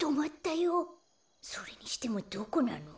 それにしてもどこなの？